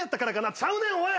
ちゃうねんおい！